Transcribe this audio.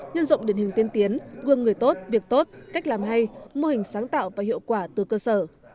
nhân rộng điển hình tiên tiến gương người tốt việc tốt cách làm hay mô hình sáng tạo và hiệu quả từ cơ sở